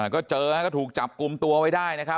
ก็เจอแล้วก็ถูกจับกลุ่มตัวไว้ได้นะครับ